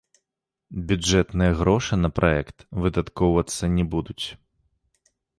Бюджэтныя грошы на праект выдаткоўвацца не будуць.